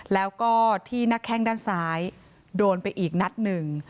แล้วก็ที่หน้าแข้งด้านซ้ายโดนไปอีกนัดหนึ่ง